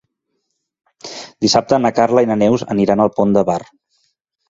Dissabte na Carla i na Neus aniran al Pont de Bar.